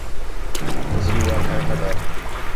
سِیُو آکھا ہِے نہ ڈَر